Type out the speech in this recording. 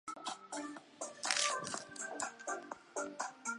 历史上是纽伦堡至布拉格的查理之路的一部份。